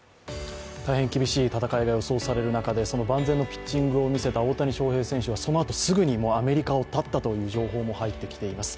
大変厳しい戦いが予想される中でその万全のピッチングを見せた大谷翔平選手はそのあとすぐにアメリカを発ったという情報も入ってきています。